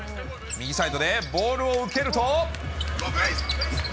右サイドでボールを受けると。